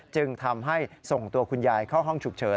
จึงทำให้ส่งตัวคุณยายเข้าห้องฉุกเฉิน